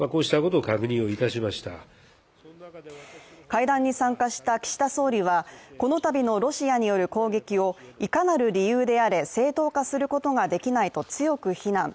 会談に参加した岸田総理はこのたびのロシアによる攻撃をいかなる理由であれ正当化することができないと強く非難。